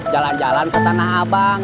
jalan jalan ke tanah abang